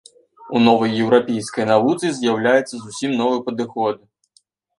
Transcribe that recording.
У новай еўрапейскай навуцы з'яўляецца зусім новы падыход.